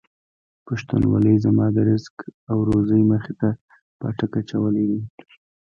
پښتونولۍ زما د رزق او روزۍ مخې ته پاټک اچولی دی.